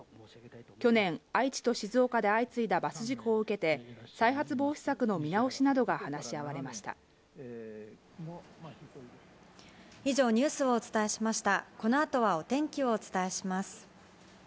去年、愛知と静岡で相次いだバス事故を受けて、再発防止策の見直しなどが話し合われました。